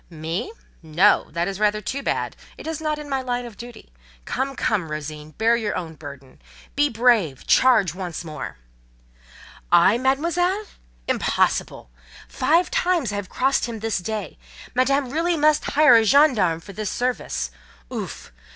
"Me? No, that is rather too bad! It is not in my line of duty. Come, come, Rosine! bear your own burden. Be brave—charge once more!" "I, Mademoiselle?—impossible! Five times I have crossed him this day. Madame must really hire a gendarme for this service. Ouf!